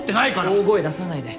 大声出さないで。